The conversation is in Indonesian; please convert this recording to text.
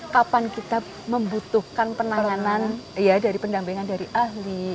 kapan kita membutuhkan penanganan pendampingan dari ahli